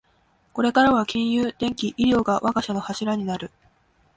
これからは金融、電機、医療が我が社の柱になる